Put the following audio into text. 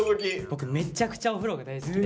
僕めちゃくちゃお風呂が大好きで。